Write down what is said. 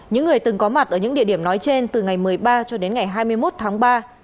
những người từng có mặt ở những địa điểm nói trên từ ngày một mươi ba cho đến ngày hai mươi một tháng ba